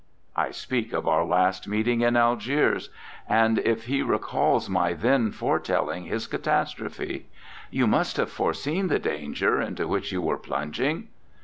I speak of our last meeting in Algiers, and if he recalls my then fore telling his catastrophe. " You must have foreseen the danger into which you were plunging?''